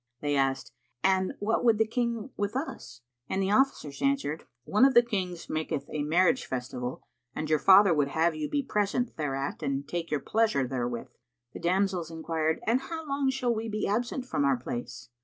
They asked, "And what would the King with us?"; and the officers answered, "One of the Kings maketh a marriage festival, and your father would have you be present thereat and take your pleasure therewith." The damsels enquired, "And how long shall we be absent from our place?"